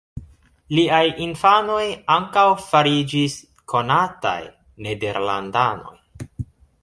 Liaj infanoj ankaŭ fariĝis konataj nederlandanoj.